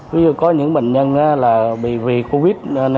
ví dụ có những bệnh nhân bị covid một mươi chín